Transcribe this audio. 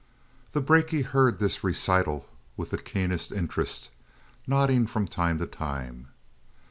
2 The brakie heard this recital with the keenest interest, nodding from time to time.